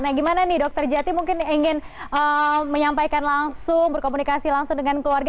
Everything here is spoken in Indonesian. nah gimana nih dokter jati mungkin ingin menyampaikan langsung berkomunikasi langsung dengan keluarga